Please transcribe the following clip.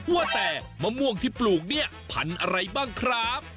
ว่าแต่มะม่วงที่ปลูกเนี่ยพันธุ์อะไรบ้างครับ